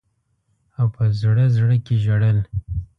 او په زړه زړه کي ژړل.